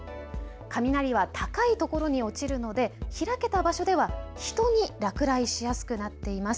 雷は高い所に落ちるので開けた場所では人に落雷しやすくなっています。